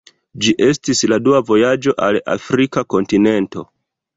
Ĝi estis la dua vojaĝo al Afrika kontinento.